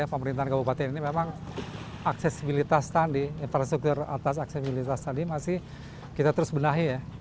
pemerintahan kabupaten ini memang aksesibilitas tadi infrastruktur atas aksesibilitas tadi masih kita terus benahi ya